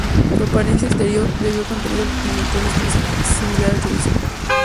Su apariencia exterior debido al contenido de pimentón es muy similar al chorizo.